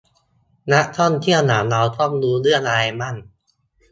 นักท่องเที่ยวอย่างเราต้องรู้เรื่องอะไรบ้าง